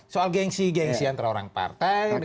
soal gengsi gengsi antara orang partai